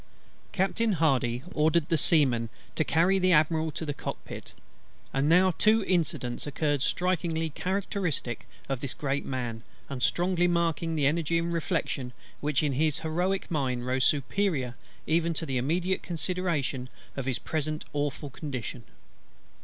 CAPTAIN HARDY ordered the Seamen to carry the Admiral to the cockpit; and now two incidents occurred strikingly characteristic of this great man, and strongly marking that energy and reflection which in his heroic mind rose superior even to the immediate consideration of his present awful condition.